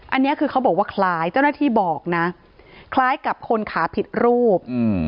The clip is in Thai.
อันนี้คือเขาบอกว่าคล้ายเจ้าหน้าที่บอกนะคล้ายกับคนขาผิดรูป